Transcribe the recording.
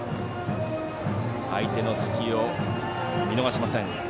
相手の隙を見逃しません。